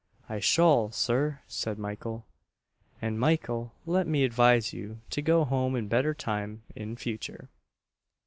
"I sholl, Sir!" said Mykle. "And, Michael, let me advise you to go home in better time in future."